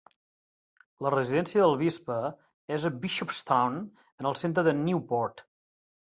La residència del bisbe és a Bishopstow, en el centre de Newport.